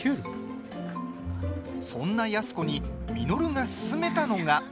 そんな安子に稔が勧めたのが。